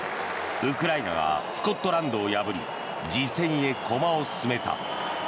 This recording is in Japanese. ウクライナがスコットランドを破り次戦へ駒を進めた。